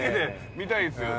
見たいですよね。